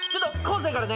生からね